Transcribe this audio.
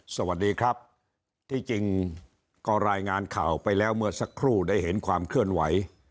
สวัสดีครับที่จริงก็รายงานข่าวไปแล้วเมื่อสักครู่ได้เห็นความเคลื่อนไหว